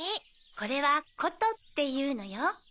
これはことっていうのよ。